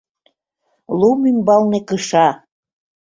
ЛУМ ӰМБАЛНЕ КЫША